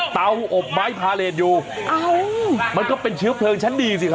เตาอบไม้พาเลสอยู่มันก็เป็นเชื้อเพลิงชั้นดีสิครับ